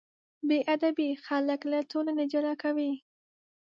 بېادبي خلک له ټولنې جلا کوي.